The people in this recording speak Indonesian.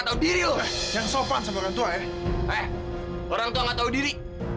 orangtua orangtua nggak tahu diri